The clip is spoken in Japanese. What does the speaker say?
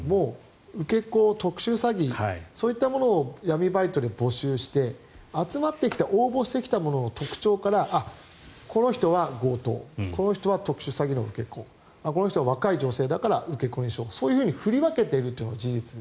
受け子、特殊詐欺そういったものを闇バイトで募集して集まってきた応募してきた者の特徴からこの人は強盗この人は特殊詐欺の受け子この人は若い女性だから受け子にしようそういうふうに振り分けているのが事実。